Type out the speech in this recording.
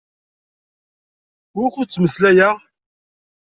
Wukkud ttmeslayeɣ?